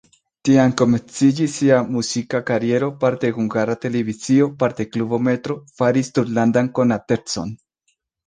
Tiam komenciĝis sia muzika kariero, parte Hungara Televizio, parte klubo "Metro" faris tutlandan konatecon.